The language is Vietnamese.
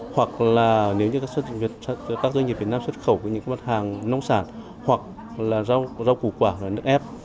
hoặc là nếu doanh nghiệp việt nam xuất khẩu những mặt hàng nông sản hoặc là rau củ quả nước ép